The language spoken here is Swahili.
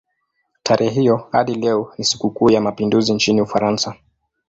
Tarehe hiyo hadi leo ni sikukuu ya mapinduzi nchini Ufaransa.